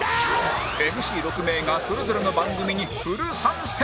ＭＣ６ 名がそれぞれの番組にフル参戦！